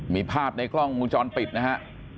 มีภาพในคล่องมุมจรปิดนะฮะ